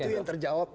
itu yang terjawab